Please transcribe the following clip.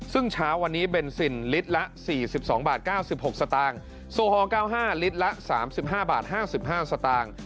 ซึ่งเช้าวันนี้เบนซินลิตรละ๔๒บาท๙๖สตางค์โซฮอล๙๕ลิตรละ๓๕บาท๕๕สตางค์